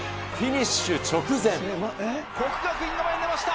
國學院が前に出ました。